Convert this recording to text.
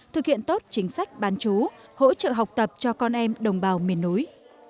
thực hiện tốt chính sách bán chú hỗ trợ học tập cho con em đồng bào miền núi